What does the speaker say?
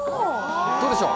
どうでしょう。